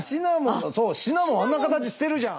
シナモンあんな形してるじゃん。